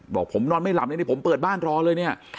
บอกผมนอนไม่หลับเลยนี่ผมเปิดบ้านรอเลยเนี่ย